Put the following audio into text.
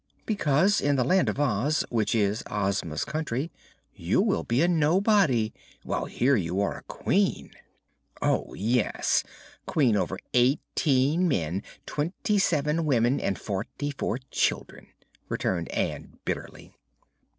"Because in the Land of Oz, which is Ozma's country, you will be a nobody, while here you are a Queen." "Oh, yes! Queen over eighteen men, twenty seven women and forty four children!" returned Ann bitterly.